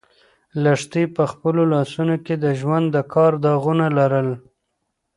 لښتې په خپلو لاسو کې د ژوند د کار داغونه لرل.